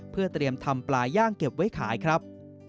เพื่อเตรียมทำปลาย่างเก็บไว้ขายครับ